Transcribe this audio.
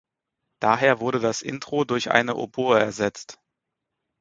Daher wurde das Intro durch eine Oboe ersetzt.